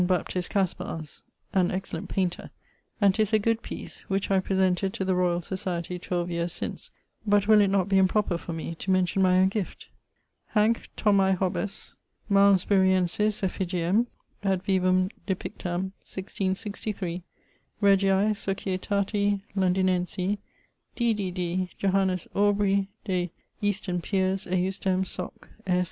Baptist Caspars, an excellent painter, and 'tis a good piece, which I presented to the Societie 12 yeares since (but will it not be improper for me to mention my owne guift?). Hanc Thomae Hobbes Malmesburiensis effigiem ad vivum depictam (1663) Regiae Societati Londinensi D.D.D. Johannes Aubrey de Easton Piers ejusdem Soc. S.